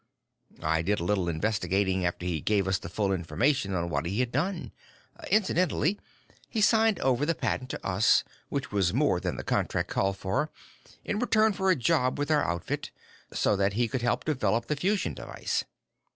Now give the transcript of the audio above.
"I did a little investigating after he gave us the full information on what he had done. (Incidentally, he signed over the patent to us, which was more than the contract called for, in return for a job with our outfit, so that he could help develop the fusion device.)